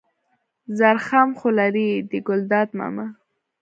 زرخم خو لېرې دی ګلداد ماما.